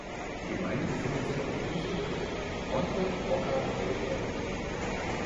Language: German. Die Gemeinde befindet sich am Fuße des "Monte Rocca delle Penne".